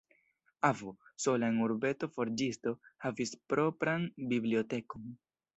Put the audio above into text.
Avo, sola en urbeto forĝisto, havis propran bibliotekon.